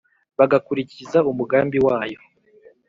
bagakurikiza umugambi wayo